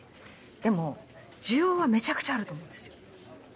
でも需要はめちゃくちゃあると思うんですよ。